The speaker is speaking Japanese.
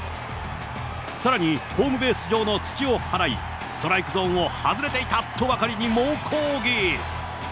さらにホームベース上の土を払い、ストライクゾーンを外れていたとばかりに猛抗議。